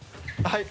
はい！